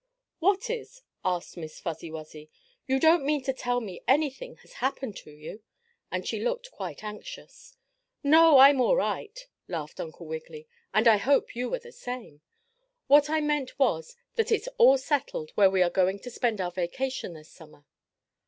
"What is?" asked Miss Fuzzy Wuzzy. "You don't mean to tell me anything has happened to you?" and she looked quite anxious. "No, I'm all right," laughed Uncle Wiggily, "and I hope you are the same. What I meant was that it's all settled where we are going to spend our vacation this Summer."